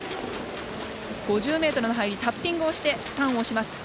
５０ｍの入りタッピングをしてターンをします。